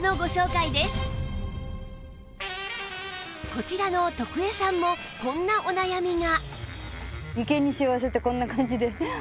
こちらの徳江さんもこんなお悩みが